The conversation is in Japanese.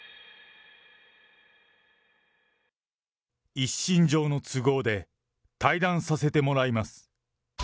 一身上の都合で退団させてもらいます。